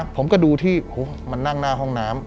ผมก็ดูที่มันนั่งหน้าห้องน้ำ